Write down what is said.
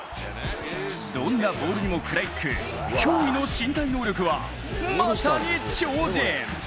どんなボールにも食らいつく驚異の身体能力はまさに超人！